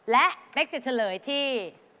และเป๊กจะเฉลยที่